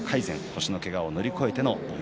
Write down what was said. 腰のけがを乗り越えました。